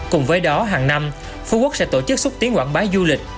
cùng với đó hàng năm phú quốc sẽ tổ chức xúc tiến quảng bá du lịch